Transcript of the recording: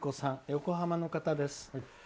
横浜の方です。